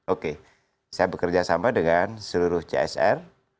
oke saya bekerja sama dengan seluruh csr